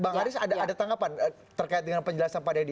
bang haris ada tanggapan terkait dengan penjelasan pada ini